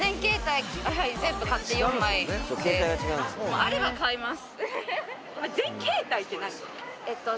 あれば買います。